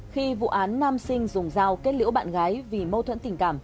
khi vụ án nam sinh dùng dao kết liễu bạn gái vì mâu thuẫn tình cảm